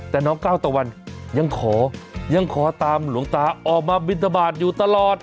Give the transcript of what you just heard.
แต่น้องก้าวตะวันยังขอยังขอตามหลวงตาออกมาบินทบาทอยู่ตลอด